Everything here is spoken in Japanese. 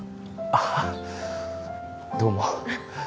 あはどうも